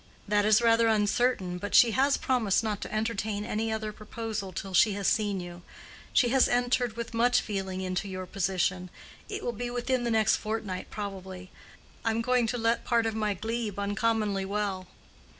"That is rather uncertain, but she has promised not to entertain any other proposal till she has seen you. She has entered with much feeling into your position. It will be within the next fortnight, probably. But I must be off now. I am going to let part of my glebe uncommonly well."